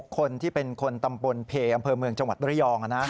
คนที่เป็นคนตำบลเพอำเภอเมืองจังหวัดระยอง